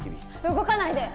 動かないで！